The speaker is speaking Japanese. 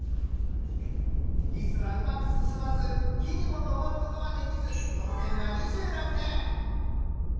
リスはうまく進まず木にも登ることができず得点は２６点。